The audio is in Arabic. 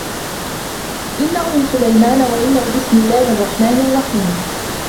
إِنَّهُ مِن سُلَيمانَ وَإِنَّهُ بِسمِ اللَّهِ الرَّحمنِ الرَّحيمِ